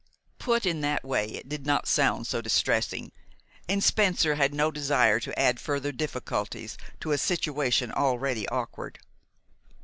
Put in that way, it did not sound so distressing. And Spencer had no desire to add further difficulties to a situation already awkward.